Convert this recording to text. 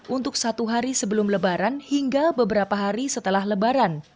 untuk satu hari sebelum lebaran hingga beberapa hari setelah lebaran